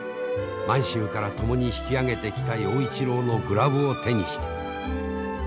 満州から共に引き揚げてきた陽一郎のグラブを手にして。